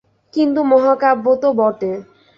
কিন্তু মহাকাব্য তো বটে।